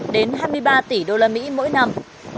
đến hai mươi ba tỷ đô la mỹ mỗi năm